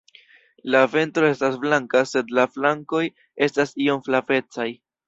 La ventro estas blanka sed la flankoj estas iom flavecaj.